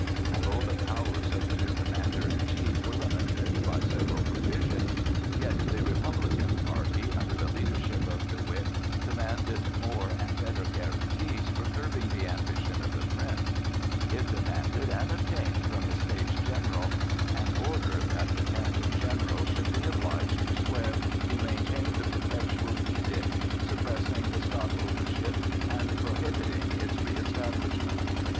Although the powers of the new commander in chief were limited by several provisions, yet the Republican party, under the leadership of De Witt, demanded more and better guarantees for curbing the ambition of the Prince. It demanded and obtained from the States General an order that the Captain General should be obliged to swear to maintain the Perpetual Edict suppressing the stadtholdership and prohibiting its reëstablishment.